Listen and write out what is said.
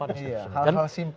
hal hal simpel seperti itu ya